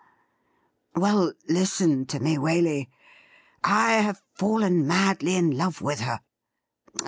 ' Well, listen to me, Waley. I have fallen madly in love with her